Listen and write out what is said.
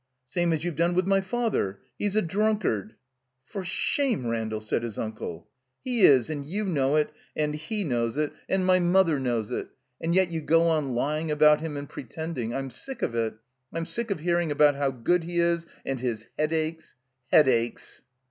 Same as you've done with my father. He's a drunkard —" "For shame, Randall," said his uncle. "He is, and you know it, and he knows it, and my 271 i€ THE COMBINED MAZE mother knows it. And yet you gc on lying about him and pretending. I'm sick of it I'm sick of hearing about how good he is, and hi Headaches Headaches!"